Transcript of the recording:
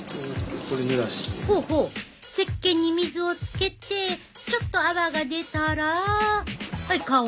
ほうほうせっけんに水をつけてちょっと泡が出たら顔に。